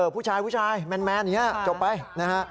ผู้ชายแมนอย่างนี้จบไปนะ